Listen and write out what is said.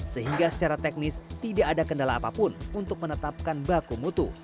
sehingga secara teknis tidak ada kendala apapun untuk menetapkan baku mutu